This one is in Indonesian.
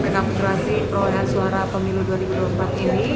rapat kereka transluc perolehan suara pemilu dua ribu empat ini